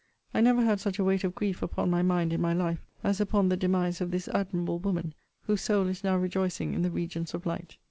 I never had such a weight of grief upon my mind in my life, as upon the demise of this admirable woman; whose soul is now rejoicing in the regions of light.